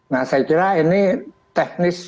nah saya kira ini teknis